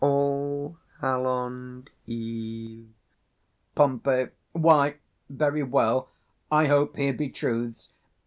_ All hallond eve. 120 Pom. Why, very well; I hope here be truths.